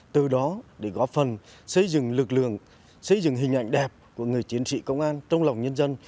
từ đó để góp phần xây dựng lực lượng xây dựng hình ảnh đẹp của người chiến sĩ công an trong lòng nhân dân